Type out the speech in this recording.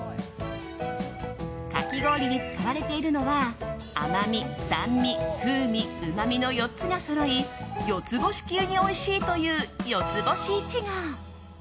かき氷に使われているのは甘み、酸味、風味、うまみの４つがそろい４つ星級においしいというよつぼしイチゴ。